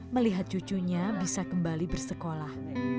melihat cucunya bisa kembali bersekolah